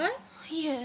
いえ。